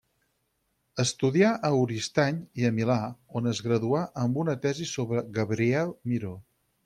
Estudià a Oristany i a Milà, on es graduà amb una tesi sobre Gabriel Miró.